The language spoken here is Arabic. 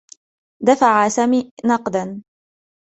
دفع سامي نقدا.